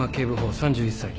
３１歳。